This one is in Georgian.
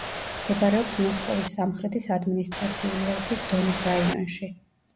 მდებარეობს მოსკოვის სამხრეთის ადმინისტრაციული ოლქის დონის რაიონში.